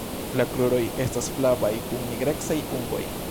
La kruroj estas flavaj kun nigrecaj ungoj.